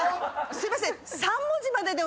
すいません。